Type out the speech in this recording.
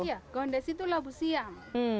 iya gondes itu labu siang